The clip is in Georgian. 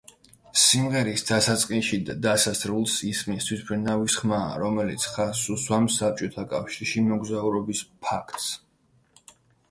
სიმღერის დასაწყისში და დასასრულს ისმის თვითმფრინავის ხმა, რომელიც ხაზს უსვამს საბჭოთა კავშირში მოგზაურობის ფაქტს.